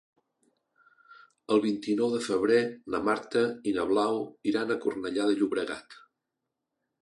El vint-i-nou de febrer na Marta i na Blau iran a Cornellà de Llobregat.